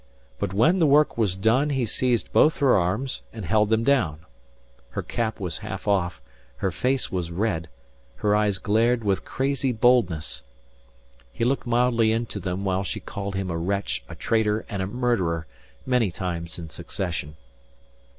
But when the work was done he seized both her arms and held them down. Her cap was half off, her face was red, her eyes glared with crazy boldness. He looked mildly into them while she called him a wretch, a traitor and a murderer many times in succession.